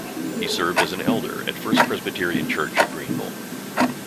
He served as an elder at First Presbyterian church of Greenville.